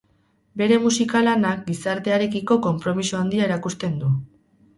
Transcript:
Bere musika-lanak gizartearekiko konpromiso handia erakusten du.